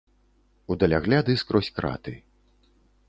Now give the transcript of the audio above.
У далягляды скрозь краты.